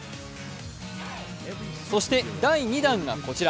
そして、第２弾がこちら。